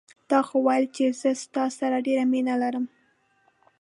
تا خو ویل چې زه ستا سره ډېره مینه لرم